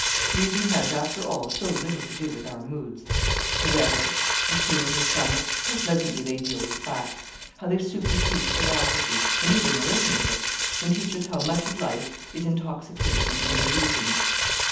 Reason has, after all, so little to do with our moods. The weather, the scene, the stomach, how pleasantly they deal with facts how they supersede philosophy, and even arithmetic, and teach us how much of life is intoxication and illusion.